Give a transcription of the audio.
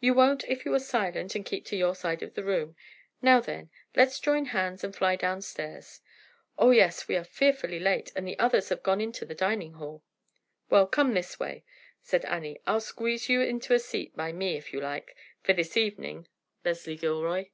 "You won't if you are silent and keep to your side of the room. Now then, let's join hands and fly downstairs." "Oh, yes, we are fearfully late, and the others have gone into the dining hall." "Well, come this way," said Annie. "I'll squeeze you into a seat by me, if you like, for this evening, Leslie Gilroy."